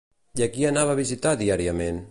I a qui anava a visitar diàriament?